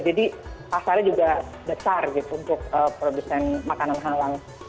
jadi pasarnya juga besar gitu untuk produsen makanan halal